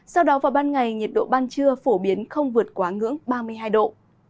sau đó vào ban ngày nhiệt độ ban trưa phổ biến không vượt quá ngưỡng ba mươi hai độ